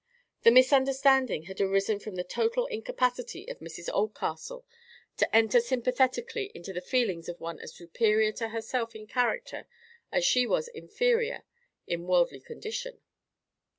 The misunderstanding had arisen from the total incapacity of Mrs Oldcastle to enter sympathetically into the feelings of one as superior to herself in character as she was inferior in worldly condition.